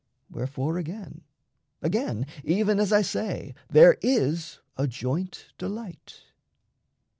Wherefore again, again, Even as I say, there is a joint delight.